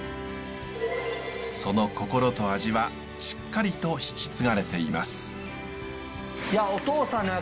その心と味はしっかりと引き継がれています。